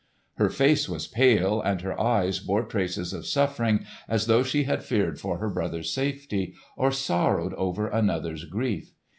Her face was pale, and her eyes bore traces of suffering as though she had feared for her brother's safety, or sorrowed over another's grief.